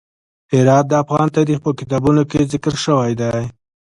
هرات د افغان تاریخ په کتابونو کې ذکر شوی دی.